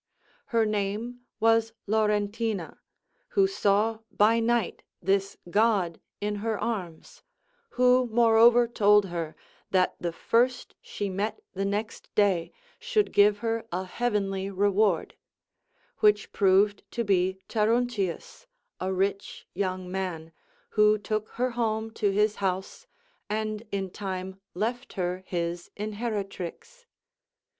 Her name was Laurentina, who saw by night this god in her arms, who moreover told her, that the first she met the next day, should give her a heavenly reward; which proved to be Taruncius, a rich young man, who took her home to his house, and in time left her his inheritrix.